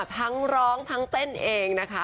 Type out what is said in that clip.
ทั้งร้องทั้งเต้นเองนะคะ